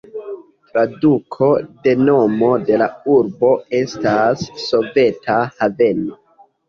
Traduko de nomo de la urbo estas "soveta haveno".